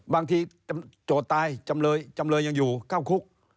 โจทย์ตายจำเลยจำเลยยังอยู่เข้าคุก